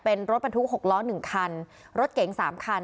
เป็นรถบรรทุกหกล้อหนึ่งคันรถเก๋งสามคัน